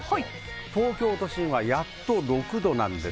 東京都心はやっと６度。